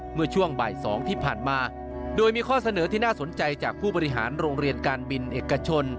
เมื่อช่วงบ่าย๒ที่ผ่านมาโดยมีข้อเสนอที่น่าสนใจจากผู้บริหารโรงเรียนการบินเอกชน